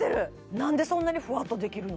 何でそんなにふわっとできるの？